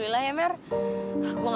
tapi lek gue harus berpikir gue harus berpikir